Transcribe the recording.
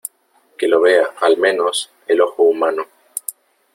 que lo vea , al menos , el ojo humano .